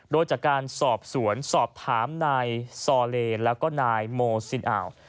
โดยจากการสอบสวนสอบถามนายซอเลแล้วก็นายโมซินอ่าว